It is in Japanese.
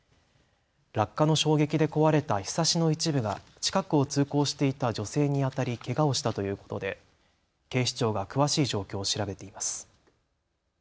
落下の衝撃で壊れたひさしの一部が近くを通行していた女性に当たりけがをしたということで警視庁が詳しい状況を調べています。